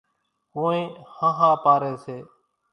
ڪونئين ۿانۿا پاريَ سي۔